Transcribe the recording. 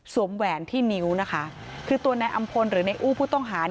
แหวนที่นิ้วนะคะคือตัวนายอำพลหรือในอู้ผู้ต้องหา